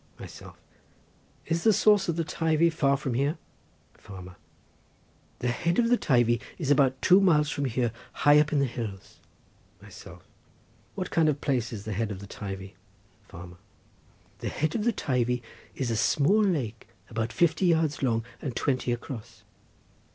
Myself.—Is the source of the Teivi far from here? Farmer.—The head of the Teivi is about two miles from here high up in the hills. Myself.—What kind of place is the head of the Teivi? Farmer.—The head of the Teivi is a small lake about fifty yards long and twenty across.